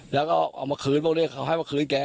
แล้วก็เอามาคืนพวกนี้เขาให้มาคืนแก